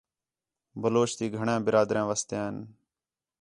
بلوچ تی گھݨیاں برادریاں وسدیاں ہِن